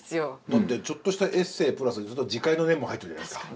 だってちょっとしたエッセープラス自戒の念も入ってるじゃないですか。